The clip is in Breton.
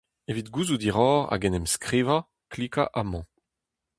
Evit gouzout hiroc'h hag en em enskrivañ, klikañ amañ.